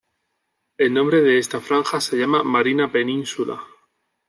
El nombre de esta franja se llama Marina Peninsula.